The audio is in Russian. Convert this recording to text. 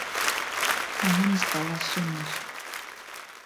Она не спала всю ночь.